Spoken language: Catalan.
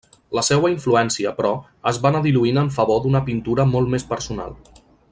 La seua influència, però, es va anar diluint en favor d'una pintura molt més personal.